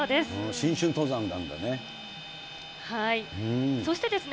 新春登山なんだね。